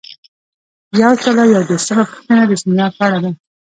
یو سل او یو دیرشمه پوښتنه د سمینار په اړه ده.